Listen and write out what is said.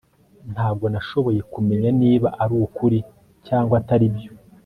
Ntabwo nashoboye kumenya niba arukuri cyangwa atari byo